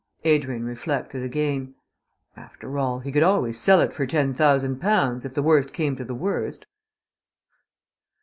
Adrian reflected again. After all, he could always sell it for ten thousand pounds, if the worst came to the worst.